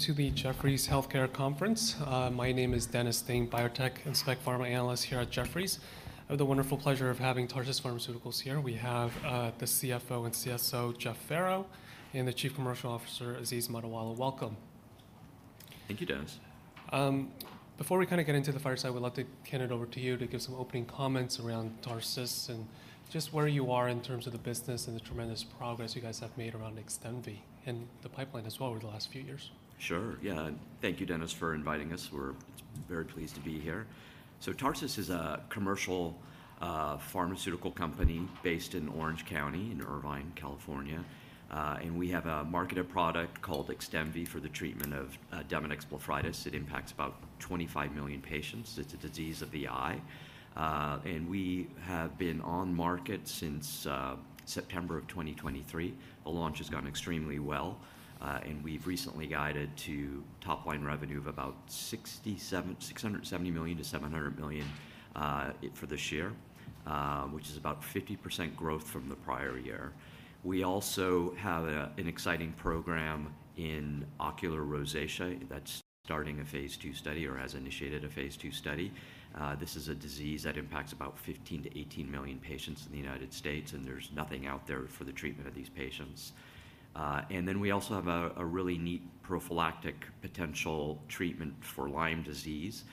To the Jefferies Healthcare Conference. My name is Dennis Truong, Biotech and Spec Pharma Analyst here at Jefferies. I have the wonderful pleasure of having Tarsus Pharmaceuticals here. We have the CFO and CSO, Jeff Farrow, and the Chief Commercial Officer, Aziz Mottiwala. Welcome. Thank you, Dennis. Before we get into the fireside, we'd love to hand it over to you to give some opening comments around Tarsus and just where you are in terms of the business and the tremendous progress you guys have made around XDEMVY and the pipeline as well over the last few years. Sure. Yeah. Thank you, Dennis, for inviting us. We're very pleased to be here. Tarsus is a commercial pharmaceutical company based in Orange County in Irvine, California. We have a marketed product called XDEMVY for the treatment of Demodex blepharitis. It impacts about 25 million patients. It's a disease of the eye. We have been on market since September of 2023. The launch has gone extremely well, and we've recently guided to top-line revenue of about $670 million-$700 million for this year, which is about 50% growth from the prior year. We also have an exciting program in ocular rosacea that's starting a phase II study or has initiated a phase II study. This is a disease that impacts about 15 million-18 million patients in the U.S., and there's nothing out there for the treatment of these patients. We also have a really neat prophylactic potential treatment for Lyme disease.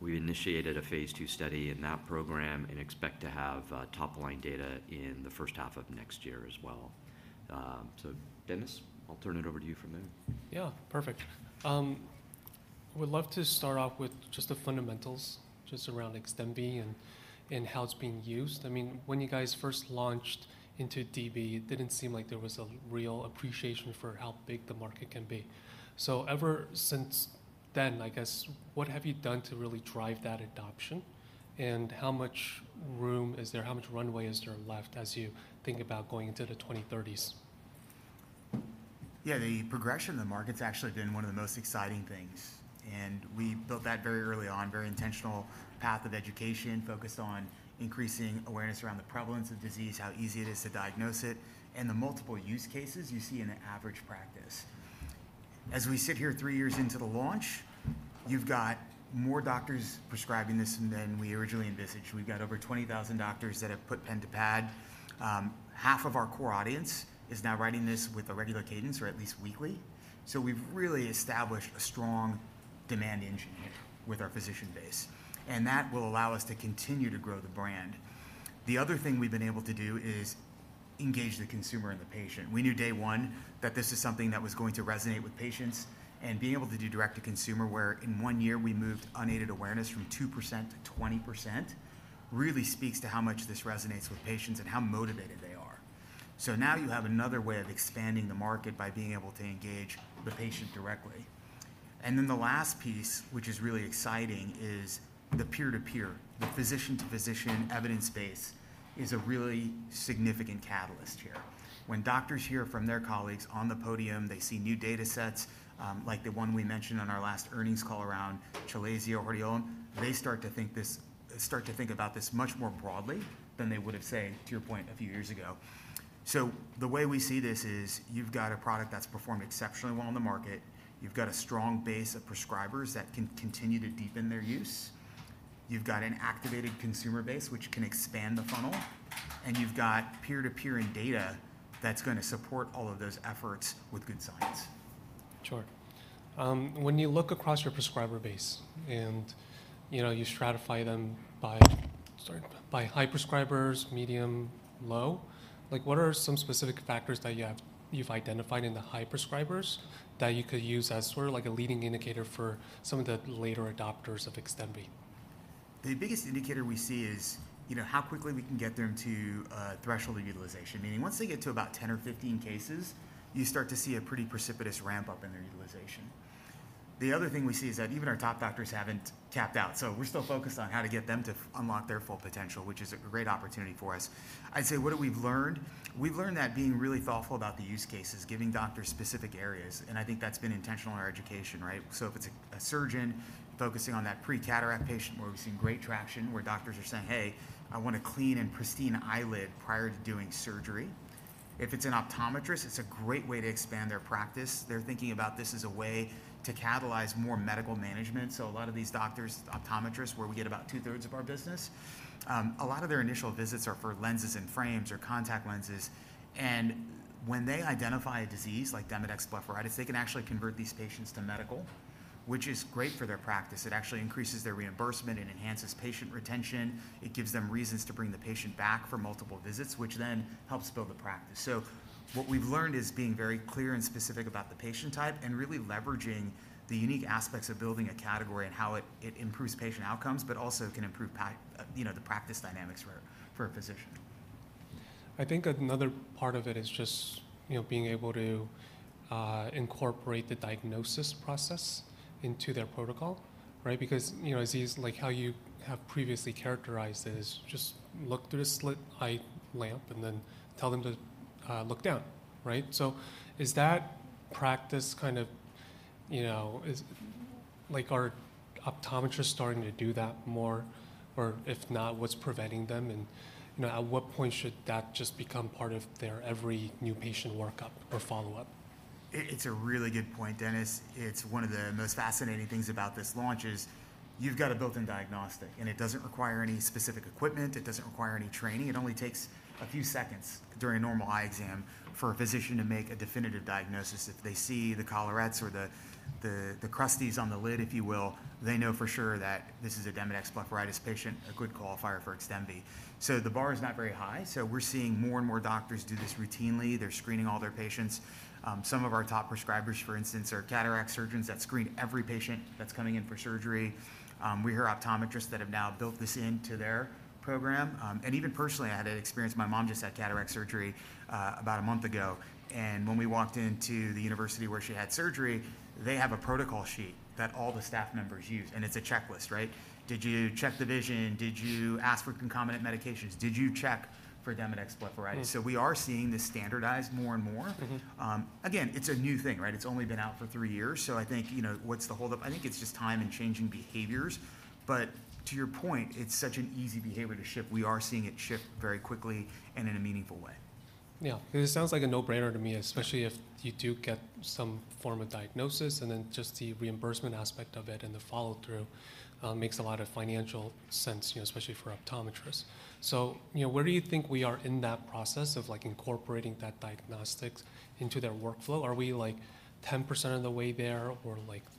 We initiated a phase II study in that program and expect to have top-line data in the first half of next year as well. Dennis, I'll turn it over to you from there. Yeah. Perfect. Would love to start off with just the fundamentals, just around XDEMVY and how it's being used. When you guys first launched into DB, it didn't seem like there was a real appreciation for how big the market can be. Ever since then, I guess, what have you done to really drive that adoption? How much room is there, how much runway is there left as you think about going into the 2030s? Yeah. The progression of the market's actually been one of the most exciting things. We built that very early on, very intentional path of education, focused on increasing awareness around the prevalence of disease, how easy it is to diagnose it, and the multiple use cases you see in an average practice. As we sit here three years into the launch, you've got more doctors prescribing this than we originally envisaged. We've got over 20,000 doctors that have put pen to pad. Half of our core audience is now writing this with a regular cadence, or at least weekly. We've really established a strong demand engine here with our physician base, and that will allow us to continue to grow the brand. The other thing we've been able to do is engage the consumer and the patient. We knew day one that this is something that was going to resonate with patients. Being able to do direct to consumer, where in one year we moved unaided awareness from 2% to 20%, really speaks to how much this resonates with patients and how motivated they are. Now you have another way of expanding the market by being able to engage the patient directly. Then the last piece, which is really exciting, is the peer-to-peer. The physician-to-physician evidence base is a really significant catalyst here. When doctors hear from their colleagues on the podium, they see new data sets, like the one we mentioned on our last earnings call around chalazion or hordeolum, they start to think about this much more broadly than they would have, say, to your point, a few years ago. The way we see this is you've got a product that's performed exceptionally well on the market. You've got a strong base of prescribers that can continue to deepen their use. You've got an activated consumer base which can expand the funnel, and you've got peer-to-peer and data that's going to support all of those efforts with good science. Sure. When you look across your prescriber base and you stratify them by. Sorry. By high prescribers, medium, low, what are some specific factors that you've identified in the high prescribers that you could use as a leading indicator for some of the later adopters of XDEMVY? The biggest indicator we see is how quickly we can get them to a threshold of utilization, meaning once they get to about 10 or 15 cases, you start to see a pretty precipitous ramp-up in their utilization. The other thing we see is that even our top doctors haven't tapped out, so we're still focused on how to get them to unlock their full potential, which is a great opportunity for us. I'd say, what have we learned? We've learned that being really thoughtful about the use cases, giving doctors specific areas, and I think that's been intentional in our education, right? If it's a surgeon focusing on that pre-cataract patient, where we've seen great traction, where doctors are saying, "Hey, I want a clean and pristine eyelid prior to doing surgery." If it's an optometrist, it's a great way to expand their practice. They're thinking about this as a way to catalyze more medical management. A lot of these doctors, optometrists, where we get about 2/3 of our business, a lot of their initial visits are for lenses and frames or contact lenses. When they identify a disease like Demodex blepharitis, they can actually convert these patients to medical, which is great for their practice. It actually increases their reimbursement and enhances patient retention. It gives them reasons to bring the patient back for multiple visits, which then helps build the practice. What we've learned is being very clear and specific about the patient type and really leveraging the unique aspects of building a category and how it improves patient outcomes, but also can improve the practice dynamics for a physician. I think another part of it is just being able to incorporate the diagnosis process into their protocol, right? Aziz, like how you have previously characterized it is just look through the slit lamp and then tell them to look down. Right? Are optometrists starting to do that more? Or if not, what's preventing them? At what point should that just become part of their every new patient workup or follow-up? It's a really good point, Dennis. It's one of the most fascinating things about this launch is you've got a built-in diagnostic, and it doesn't require any specific equipment. It doesn't require any training. It only takes a few seconds during a normal eye exam for a physician to make a definitive diagnosis. If they see the collarettes or the crusties on the lid, if you will, they know for sure that this is a Demodex blepharitis patient, a good qualifier for XDEMVY. The bar is not very high. We're seeing more and more doctors do this routinely. They're screening all their patients. Some of our top prescribers, for instance, are cataract surgeons that screen every patient that's coming in for surgery. We hear optometrists that have now built this into their program. Even personally, I had an experience. My mom just had cataract surgery about a month ago, and when we walked into the university where she had surgery, they have a protocol sheet that all the staff members use, and it's a checklist. Did you check the vision? Did you ask for concomitant medications? Did you check for Demodex blepharitis? We are seeing this standardized more and more. It's a new thing. It's only been out for three years. I think, what's the hold up? I think it's just time and changing behaviors. To your point, it's such an easy behavior to shift. We are seeing it shift very quickly and in a meaningful way. Yeah. It sounds like a no-brainer to me, especially if you do get some form of diagnosis, and then just the reimbursement aspect of it and the follow-through makes a lot of financial sense, especially for optometrists. Where do you think we are in that process of incorporating that diagnostics into their workflow? Are we 10% of the way there or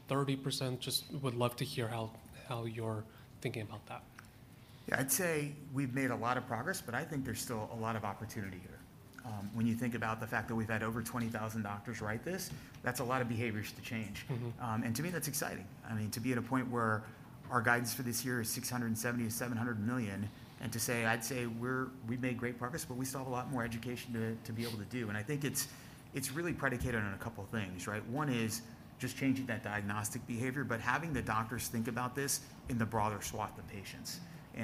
30%? Just would love to hear how you're thinking about that. Yeah, I'd say we've made a lot of progress, but I think there's still a lot of opportunity here. When you think about the fact that we've had over 20,000 doctors write this, that's a lot of behaviors to change. To me, that's exciting. To be at a point where our guidance for this year is $670 million-$700 million, and to say, I'd say we've made great progress, but we still have a lot more education to be able to do. I think it's really predicated on a couple things. One is just changing that diagnostic behavior, but having the doctors think about this in the broader swath of patients.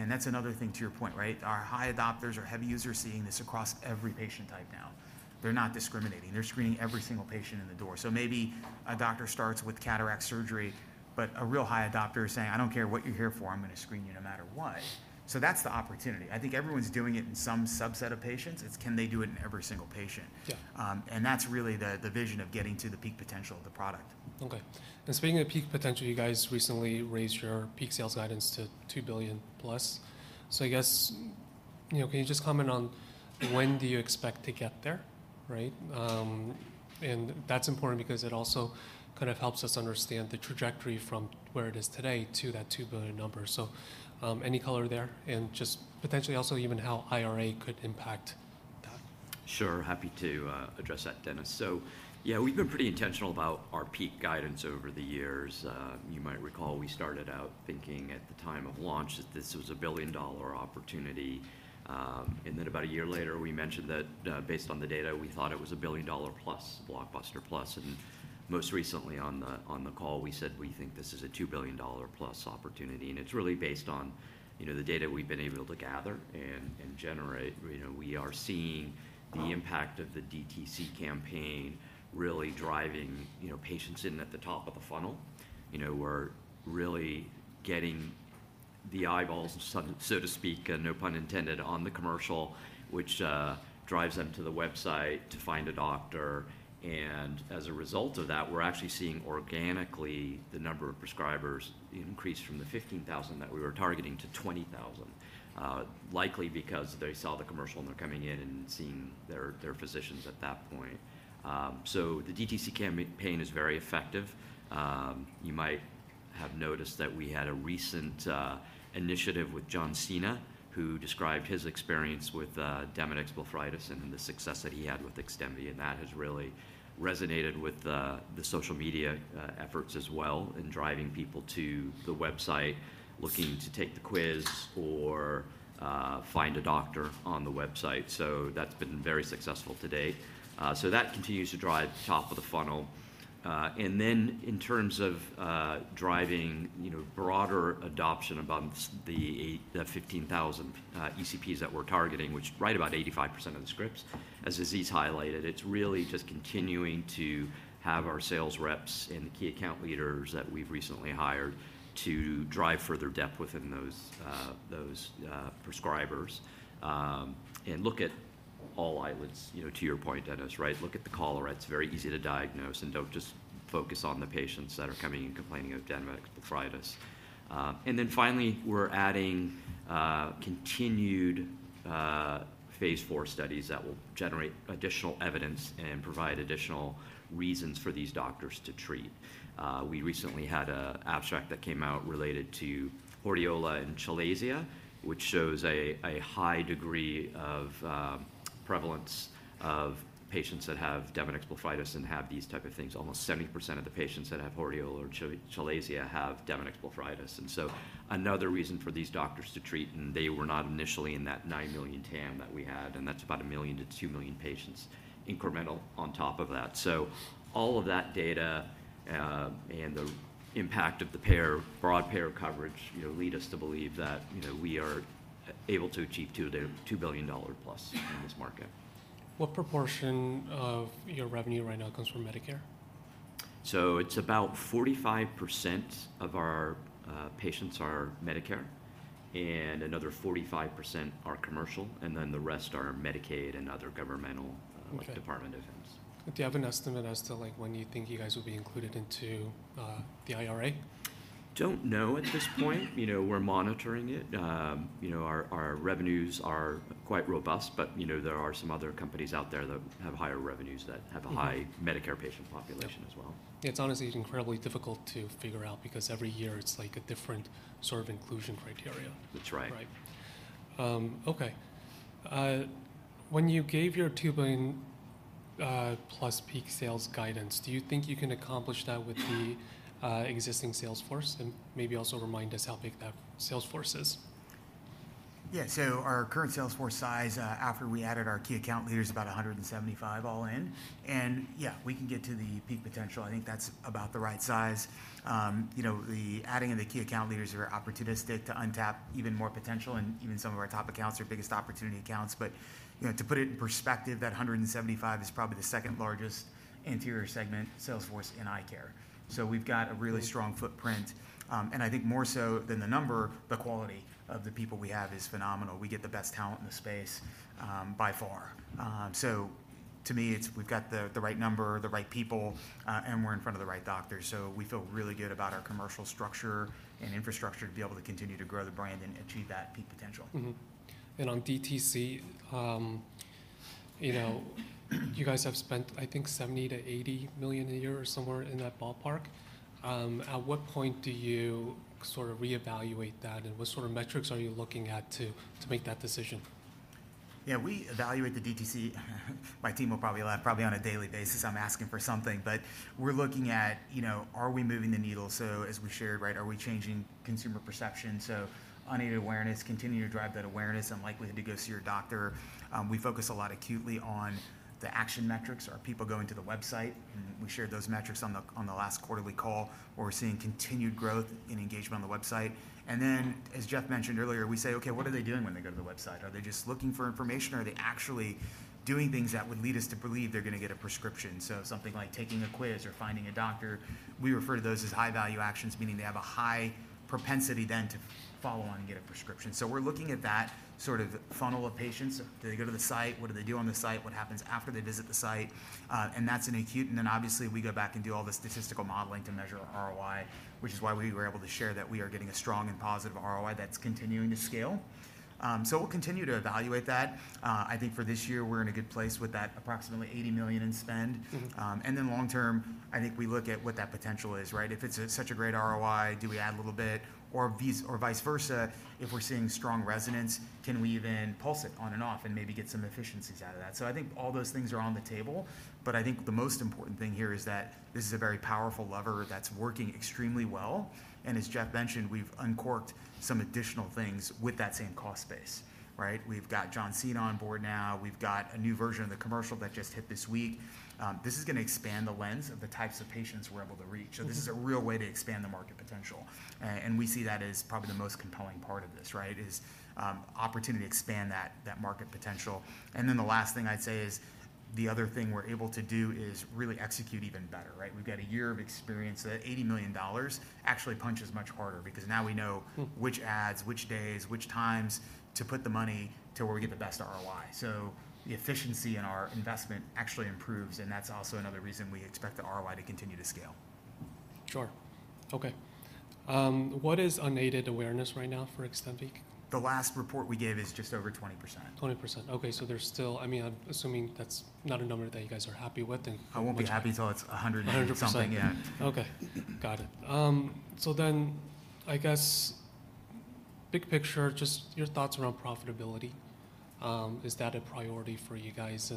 That's another thing to your point. Our high adopters, our heavy users are seeing this across every patient type now. They're not discriminating. They're screening every single patient in the door. Maybe a doctor starts with cataract surgery, but a real high adopter is saying, "I don't care what you're here for, I'm going to screen you no matter what." That's the opportunity. I think everyone's doing it in some subset of patients. It's can they do it in every single patient? Yeah. That's really the vision of getting to the peak potential of the product. Okay. Speaking of peak potential, you guys recently raised your peak sales guidance to $2 billion+. I guess, can you just comment on when do you expect to get there? That's important because it also helps us understand the trajectory from where it is today to that $2 billion number. Any color there and just potentially also even how IRA could impact that. Sure. Happy to address that, Dennis. Yeah, we've been pretty intentional about our peak guidance over the years. You might recall we started out thinking at the time of launch that this was a billion-dollar opportunity. Then about a year later, we mentioned that based on the data, we thought it was $1 billion-dollar plus, blockbuster plus. Most recently on the call, we said we think this is a $2 billion+ opportunity, and it's really based on the data we've been able to gather and generate. We are seeing the impact of the DTC campaign really driving patients in at the top of the funnel. We're really getting the eyeballs, so to speak, no pun intended, on the commercial, which drives them to the website to find a doctor. As a result of that, we're actually seeing organically the number of prescribers increase from the 15,000 that we were targeting to 20,000. Likely because they saw the commercial, and they're coming in and seeing their physicians at that point. The DTC campaign is very effective. You might have noticed that we had a recent initiative with John Cena, who described his experience with Demodex blepharitis and the success that he had with XDEMVY, and that has really resonated with the social media efforts as well in driving people to the website looking to take the quiz or find a doctor on the website. That's been very successful to date. That continues to drive top of the funnel. In terms of driving broader adoption above the 15,000 ECPs that we're targeting, which right about 85% of the scripts, as Aziz highlighted, it's really just continuing to have our sales reps and the key account leaders that we've recently hired to drive further depth within those prescribers and look at all eyelids, to your point, Dennis. Look at the collarettes, very easy to diagnose, don't just focus on the patients that are coming in complaining of Demodex blepharitis. Finally, we're adding continued phase IV studies that will generate additional evidence and provide additional reasons for these doctors to treat. We recently had an abstract that came out related to hordeola and chalazion, which shows a high degree of prevalence of patients that have Demodex blepharitis and have these type of things. Almost 70% of the patients that have hordeola or chalazion have Demodex blepharitis. Another reason for these doctors to treat, they were not initially in that 9 million TAM that we had, and that's about 1 million-2 million patients incremental on top of that. All of that data, and the impact of the broad payer coverage lead us to believe that we are able to achieve $2 billion+ in this market. What proportion of your revenue right now comes from Medicare? It's about 45% of our patients are Medicare, and another 45% are commercial, and then the rest are Medicaid and other governmental. Okay. Like Department of Defense. Do you have an estimate as to when you think you guys will be included into the IRA? Don't know at this point. We're monitoring it. Our revenues are quite robust, but there are some other companies out there that have higher revenues that have a high Medicare patient population as well. Yeah. It's honestly incredibly difficult to figure out because every year it's a different sort of inclusion criteria. That's right. Right. Okay. When you gave your $2 billion+ peak sales guidance, do you think you can accomplish that with the existing sales force? Maybe also remind us how big that sales force is. Our current sales force size, after we added our key account leaders, is about 175 all in. We can get to the peak potential. I think that's about the right size. The adding of the key account leaders are opportunistic to untap even more potential and even some of our top accounts, our biggest opportunity accounts. To put it in perspective, that 175 is probably the second-largest anterior segment sales force in eye care. We've got a really strong footprint. I think more so than the number, the quality of the people we have is phenomenal. We get the best talent in the space by far. To me, we've got the right number, the right people, and we're in front of the right doctors. We feel really good about our commercial structure and infrastructure to be able to continue to grow the brand and achieve that peak potential. On DTC, you guys have spent, I think, $70 million-$80 million a year or somewhere in that ballpark. At what point do you sort of reevaluate that, and what sort of metrics are you looking at to make that decision? We evaluate the DTC my team will probably laugh, probably on a daily basis I'm asking for something. We're looking at are we moving the needle? As we shared, right, are we changing consumer perception? Unaided awareness, continue to drive that awareness and likelihood to go see your doctor. We focus a lot acutely on the action metrics. Are people going to the website? We shared those metrics on the last quarterly call where we're seeing continued growth in engagement on the website. As Jeff mentioned earlier, we say, "Okay, what are they doing when they go to the website? Are they just looking for information, or are they actually doing things that would lead us to believe they're going to get a prescription?" Something like taking a quiz or finding a doctor. We refer to those as high-value actions, meaning they have a high propensity then to follow on and get a prescription. We're looking at that sort of funnel of patients. Do they go to the site? What do they do on the site? What happens after they visit the site? That's in acute, and then obviously we go back and do all the statistical modeling to measure ROI, which is why we were able to share that we are getting a strong and positive ROI that's continuing to scale. We'll continue to evaluate that. I think for this year we're in a good place with that approximately $80 million in spend. Long term, I think we look at what that potential is, right? If it's such a great ROI, do we add a little bit? Vice versa, if we're seeing strong resonance, can we even pulse it on and off and maybe get some efficiencies out of that? I think all those things are on the table, but I think the most important thing here is that this is a very powerful lever that's working extremely well, and as Jeff mentioned, we've uncorked some additional things with that same cost base. Right? We've got John Cena on board now. We've got a new version of the commercial that just hit this week. This is going to expand the lens of the types of patients we're able to reach. This is a real way to expand the market potential. We see that as probably the most compelling part of this, right, is opportunity to expand that market potential. The last thing I'd say is the other thing we're able to do is really execute even better. Right. We've got a year of experience. That $80 million actually punches much harder, because now we know which ads, which days, which times to put the money to where we get the best ROI. The efficiency in our investment actually improves, and that's also another reason we expect the ROI to continue to scale. Sure. Okay. What is unaided awareness right now for XDEMVY? The last report we gave is just over 20%. 20%, okay. I'm assuming that's not a number that you guys are happy with. I won't be happy until it's 100 and something. 100%. Yeah. Okay. Got it. I guess big picture, just your thoughts around profitability. Is that a priority for you guys?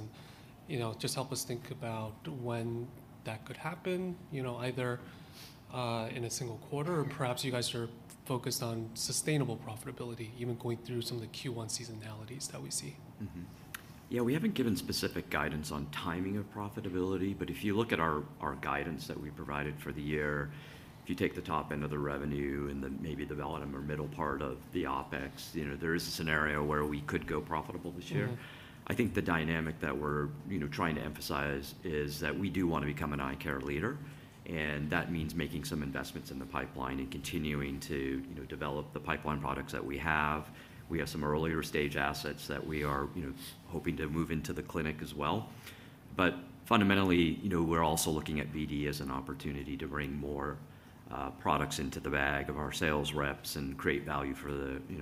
Just help us think about when that could happen, either in a single quarter or perhaps you guys are focused on sustainable profitability, even going through some of the Q1 seasonalities that we see. Yeah, we haven't given specific guidance on timing of profitability, but if you look at our guidance that we provided for the year, if you take the top end of the revenue and then maybe the bellies of them or middle part of the OpEx, there is a scenario where we could go profitable this year. I think the dynamic that we're trying to emphasize is that we do want to become an eye care leader, and that means making some investments in the pipeline and continuing to develop the pipeline products that we have. We have some earlier-stage assets that we are hoping to move into the clinic as well. Fundamentally, we're also looking at BD as an opportunity to bring more products into the bag of our sales reps and create value for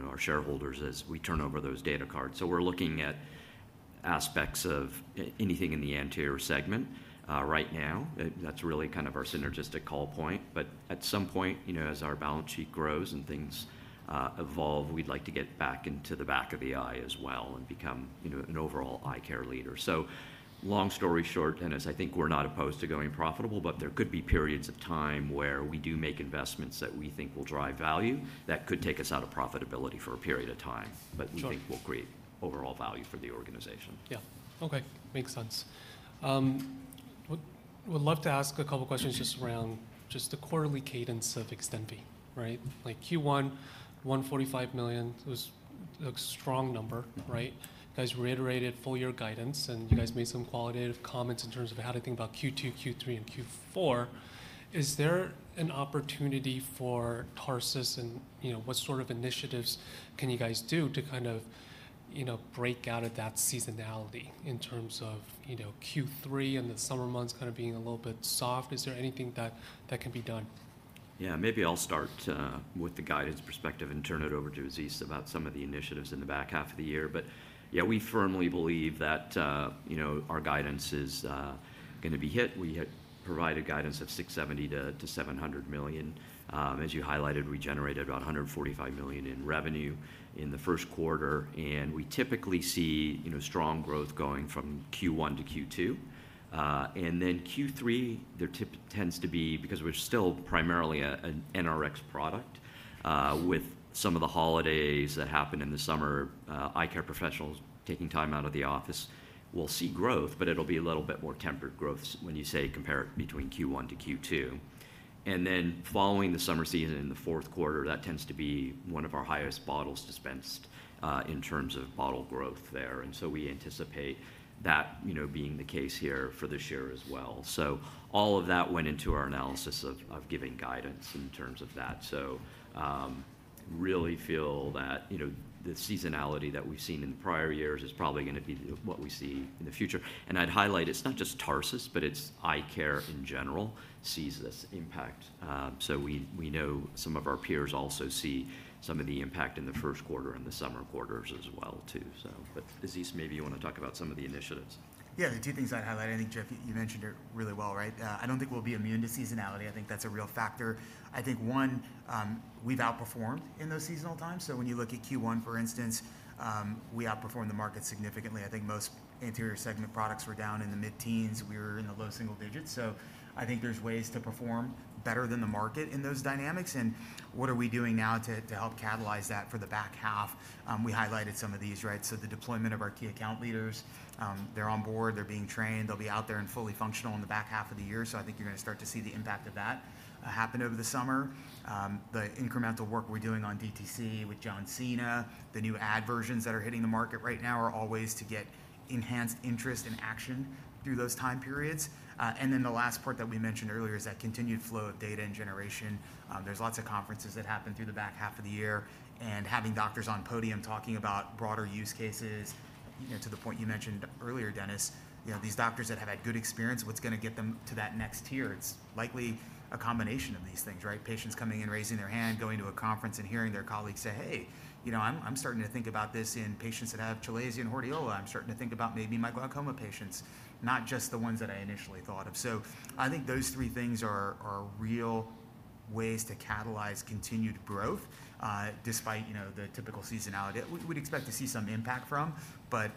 our shareholders as we turn over those data cards. We're looking at aspects of anything in the anterior segment right now. That's really kind of our synergistic call point. At some point, as our balance sheet grows and things evolve, we'd like to get back into the back of the eye as well and become an overall eye care leader. Long story short, Dennis, I think we're not opposed to going profitable, but there could be periods of time where we do make investments that we think will drive value that could take us out of profitability for a period of time. Sure. We think will create overall value for the organization. Yeah. Okay, makes sense. Would love to ask a couple questions just around just the quarterly cadence of XDEMVY, right? Like Q1, $145 million was a strong number, right? You guys reiterated full year guidance. You guys made some qualitative comments in terms of how to think about Q2, Q3, and Q4. Is there an opportunity for Tarsus? What sort of initiatives can you guys do to kind of break out of that seasonality in terms of Q3 and the summer months kind of being a little bit soft? Is there anything that can be done? Yeah. Maybe I'll start with the guidance perspective and turn it over to Aziz about some of the initiatives in the back half of the year. Yeah, we firmly believe that our guidance is going to be hit. We had provided guidance of $670 million-$700 million. As you highlighted, we generated about $145 million in revenue in the first quarter, and we typically see strong growth going from Q1 to Q2. Q3, there tends to be, because we're still primarily an NRX product, with some of the holidays that happen in the summer, eye care professionals taking time out of the office. We'll see growth, but it'll be a little bit more tempered growth when you, say, compare between Q1 to Q2. Following the summer season in the fourth quarter, that tends to be one of our highest bottles dispensed in terms of bottle growth there. We anticipate that being the case here for this year as well. All of that went into our analysis of giving guidance in terms of that. Really feel that the seasonality that we've seen in prior years is probably going to be what we see in the future. I'd highlight, it's not just Tarsus, but it's eye care in general sees this impact. We know some of our peers also see some of the impact in the first quarter and the summer quarters as well too. Aziz, maybe you want to talk about some of the initiatives. The two things I'd highlight, I think, Jeff, you mentioned it really well. I don't think we'll be immune to seasonality. I think that's a real factor. I think, one, we've outperformed in those seasonal times. When you look at Q1, for instance, we outperformed the market significantly. I think most anterior segment products were down in the mid-teens. We were in the low single digits. I think there's ways to perform better than the market in those dynamics. What are we doing now to help catalyze that for the back half? We highlighted some of these. The deployment of our key account leaders, they're on board, they're being trained. They'll be out there and fully functional in the back half of the year. I think you're going to start to see the impact of that happen over the summer. The incremental work we're doing on DTC with John Cena. The new ad versions that are hitting the market right now are all ways to get enhanced interest and action through those time periods. The last part that we mentioned earlier is that continued flow of data and generation. There's lots of conferences that happen through the back half of the year, having doctors on podium talking about broader use cases, to the point you mentioned earlier, Dennis. These doctors that have had good experience, what's going to get them to that next tier? It's likely a combination of these things, right? Patients coming in, raising their hand, going to a conference, hearing their colleagues say, "Hey, I'm starting to think about this in patients that have chalazion and hordeola. I'm starting to think about maybe my glaucoma patients, not just the ones that I initially thought of. I think those three things are real ways to catalyze continued growth despite the typical seasonality we'd expect to see some impact from.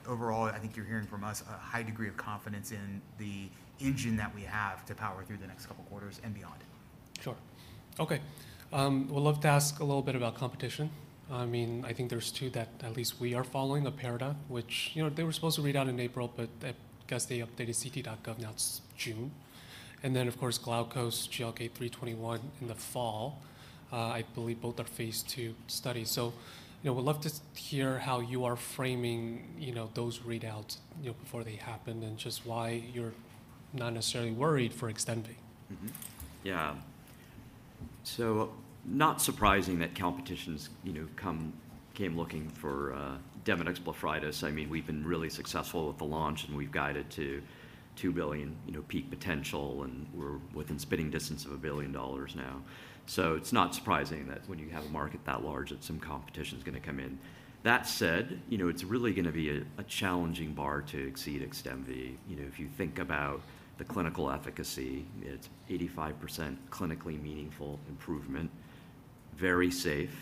Overall, I think you're hearing from us a high degree of confidence in the engine that we have to power through the next couple of quarters and beyond. Sure. Okay. Would love to ask a little bit about competition. I think there's two that at least we are following. Aperta, which, they were supposed to read out in April, but I guess they updated ct.gov, now it's June. Of course, Glaukos's GLK-321 in the fall. I believe both are phase II studies. Would love to hear how you are framing those readouts before they happen and just why you're not necessarily worried for XDEMVY. Mm-hmm. Yeah. Not surprising that competition came looking for Demodex blepharitis. We've been really successful with the launch, and we've guided to $2 billion peak potential, and we're within spitting distance of $1 billion now. It's not surprising that when you have a market that large, that some competition's going to come in. That said, it's really going to be a challenging bar to exceed XDEMVY. If you think about the clinical efficacy, it's 85% clinically meaningful improvement, very safe.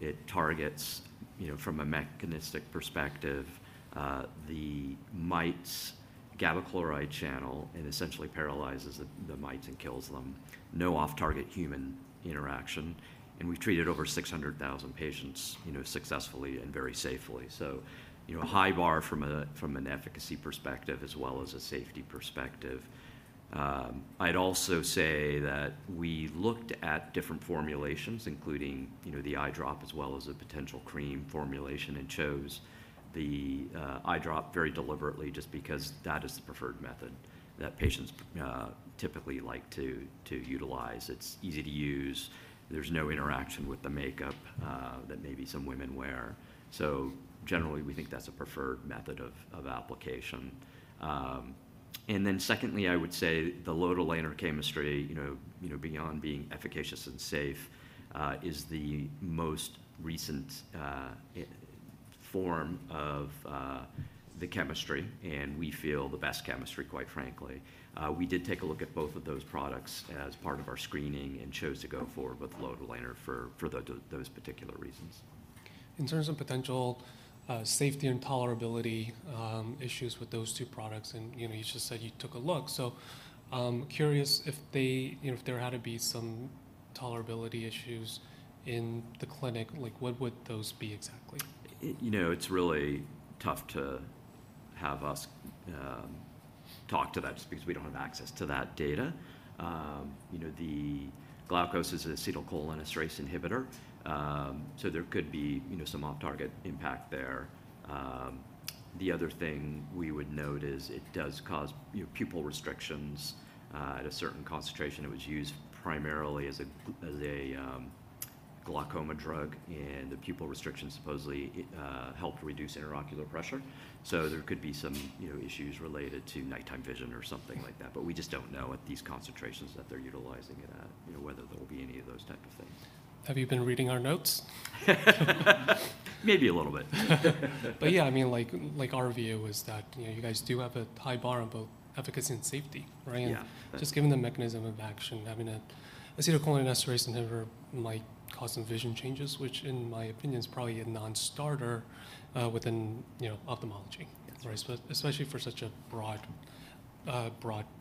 It targets, from a mechanistic perspective, the mite's GABA chloride channel and essentially paralyzes the mites and kills them. No off-target human interaction, and we've treated over 600,000 patients successfully and very safely. A high bar from an efficacy perspective as well as a safety perspective. I'd also say that we looked at different formulations, including the eye drop as well as a potential cream formulation, and chose the eye drop very deliberately just because that is the preferred method that patients typically like to utilize. It's easy to use. There's no interaction with the makeup that maybe some women wear. Generally, we think that's a preferred method of application. Secondly, I would say the lotilaner chemistry, beyond being efficacious and safe, is the most recent form of the chemistry and we feel the best chemistry, quite frankly. We did take a look at both of those products as part of our screening and chose to go forward with lotilaner for those particular reasons. In terms of potential safety and tolerability issues with those two products, and you just said you took a look, so I'm curious if there had to be some tolerability issues in the clinic, what would those be exactly? It's really tough to have us talk to that just because we don't have access to that data. The Glaukos is an acetylcholinesterase inhibitor, so there could be some off-target impact there. The other thing we would note is it does cause pupil restrictions at a certain concentration. It was used primarily as a glaucoma drug, and the pupil restrictions supposedly helped reduce intraocular pressure. So there could be some issues related to nighttime vision or something like that, but we just don't know at these concentrations that they're utilizing it at, whether there will be any of those type of things. Have you been reading our notes? Maybe a little bit. Yeah, our view is that you guys do have a high bar on both efficacy and safety, right? Yeah. Just given the mechanism of action, having an acetylcholinesterase inhibitor might cause some vision changes, which in my opinion is probably a non-starter within ophthalmology. That's right. Especially for such a broad product.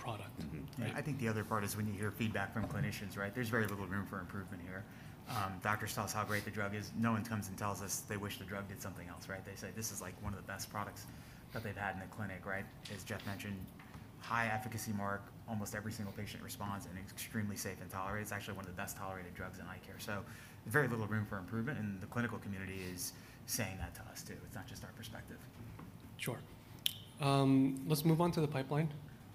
I think the other part is when you hear feedback from clinicians, right? There's very little room for improvement here. Doctors tell us how great the drug is. No one comes and tells us they wish the drug did something else, right? They say this is one of the best products that they've had in the clinic, right? As Jeff mentioned, high efficacy mark, almost every single patient responds, and extremely safe and tolerated. It's actually one of the best-tolerated drugs in eye care. Very little room for improvement, and the clinical community is saying that to us, too. It's not just our perspective. Sure. Let's move on to the pipeline.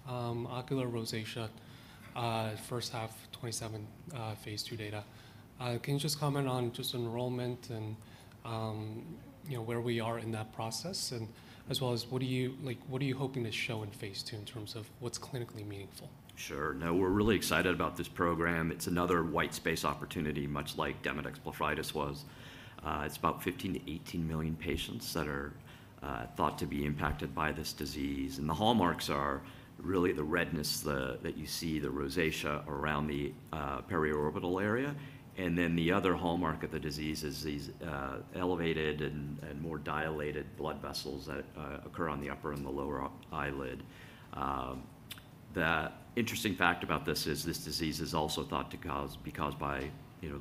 Ocular rosacea, first half 2027 phase II data. Can you just comment on just enrollment and where we are in that process? As well as what are you hoping to show in phase II in terms of what's clinically meaningful? Sure. We're really excited about this program. It's another white space opportunity, much like Demodex blepharitis was. It's about 15 million-18 million patients that are thought to be impacted by this disease, and the hallmarks are really the redness that you see, the rosacea around the periorbital area. The other hallmark of the disease is these elevated and more dilated blood vessels that occur on the upper and the lower eyelid. The interesting fact about this is this disease is also thought to be caused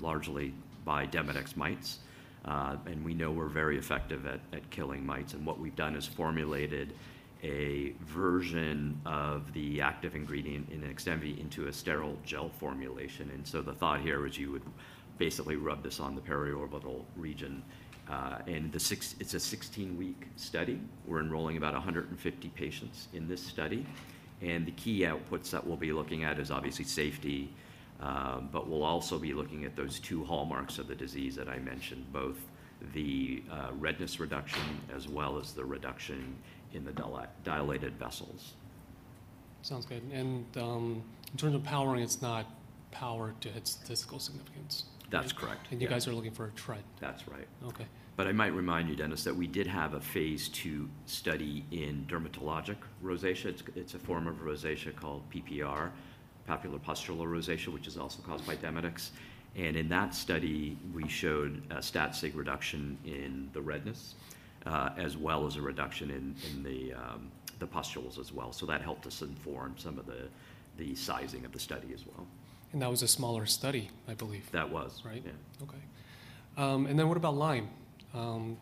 largely by Demodex mites, and we know we're very effective at killing mites. What we've done is formulated a version of the active ingredient in XDEMVY into a sterile gel formulation. The thought here is you would basically rub this on the periorbital region. It's a 16-week study. We're enrolling about 150 patients in this study, and the key outputs that we'll be looking at is obviously safety, but we'll also be looking at those two hallmarks of the disease that I mentioned, both the redness reduction as well as the reduction in the dilated vessels. Sounds good. In terms of powering, it's not powered to hit statistical significance. That's correct. Yeah. You guys are looking for a trend. That's right. Okay. I might remind you, Dennis, that we did have a phase II study in dermatologic rosacea. It's a form of rosacea called PPR, papulopustular rosacea, which is also caused by demodex. In that study, we showed a stat sig reduction in the redness, as well as a reduction in the pustules as well. That helped us inform some of the sizing of the study as well. That was a smaller study, I believe. That was. Right. Yeah. Okay. What about Lyme?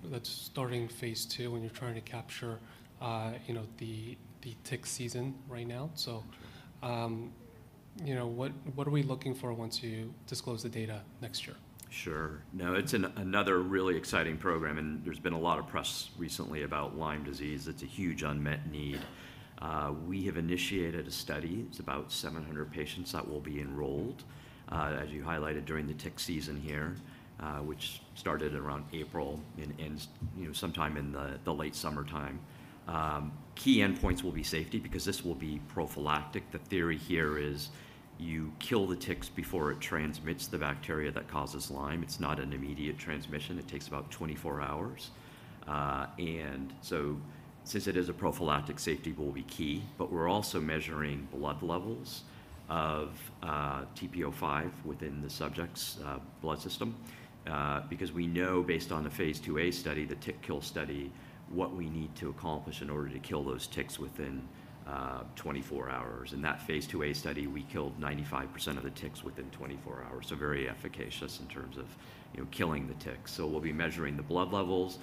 That's starting phase II, and you're trying to capture the tick season right now. What are we looking for once you disclose the data next year? Sure. No, it's another really exciting program. There's been a lot of press recently about Lyme disease. It's a huge unmet need. We have initiated a study. It's about 700 patients that will be enrolled, as you highlighted during the tick season here, which started around April and ends sometime in the late summertime. Key endpoints will be safety because this will be prophylactic. The theory here is you kill the ticks before it transmits the bacteria that causes Lyme. It's not an immediate transmission. It takes about 24 hours. Since it is a prophylactic, safety will be key. We're also measuring blood levels of TP-05 within the subject's blood system because we know based on the phase II-A study, the tick kill study, what we need to accomplish in order to kill those ticks within 24 hours. In that phase II-A study, we killed 95% of the ticks within 24 hours. Very efficacious in terms of killing the ticks. We'll be measuring the blood levels,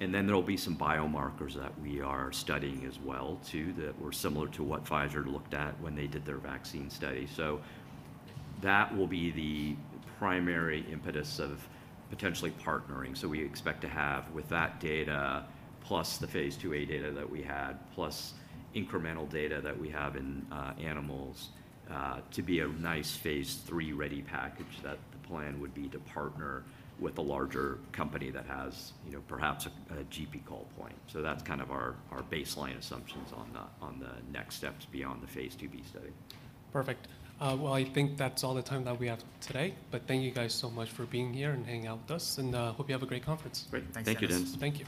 and then there'll be some biomarkers that we are studying as well, too, that were similar to what Pfizer looked at when they did their vaccine study. That will be the primary impetus of potentially partnering. We expect to have with that data, plus the phase II-A data that we had, plus incremental data that we have in animals, to be a nice phase III-ready package that the plan would be to partner with a larger company that has perhaps a GP call point. That's our baseline assumptions on the next steps beyond the phase II-B study. Perfect. Well, I think that's all the time that we have today, but thank you guys so much for being here and hanging out with us. I hope you have a great conference. Great. Thanks, Dennis. Thank you, Dennis. Thank you.